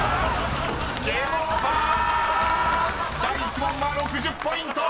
［第１問は６０ポイント！］